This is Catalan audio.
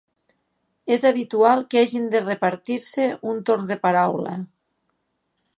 És habitual que hagin de repartir-se un torn de paraula.